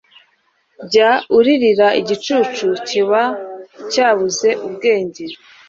jya uririra igicucu, kiba cyarabuze ubwenge